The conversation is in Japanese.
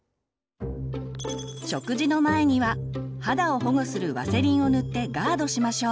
食事の前には肌を保護するワセリンを塗ってガードしましょう。